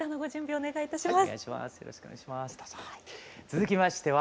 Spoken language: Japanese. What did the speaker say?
お願いいたします。